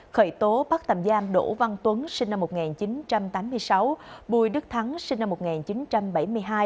khởi tố bắt tạm giam đỗ văn tuấn sinh năm một nghìn chín trăm tám mươi sáu bùi đức thắng sinh năm một nghìn chín trăm bảy mươi hai